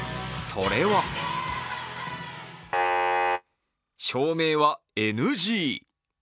それは照明はＮＧ。